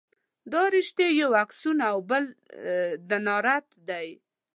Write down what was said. دا رشتې یو اکسون او بل دنداریت دي.